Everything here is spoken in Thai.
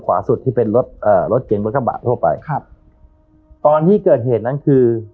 สุดที่เป็นรถเอ่อรถเก่งรถกระบะทั่วไปครับตอนที่เกิดเหตุนั้นคือ